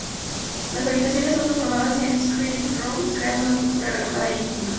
Las habitaciones son transformadas en "screening rooms", creando una atmósfera relajada e íntima.